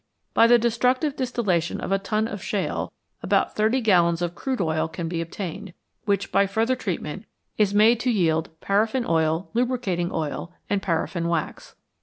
By the destructive distillation of a ton of shale about thirty gallons of crude oil can be obtained, which by further treatment is made to yield paraffin oil, lubricating oil, and paraffin wax.